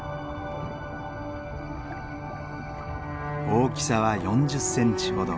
大きさは４０センチほど。